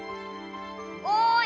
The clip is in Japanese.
・おい！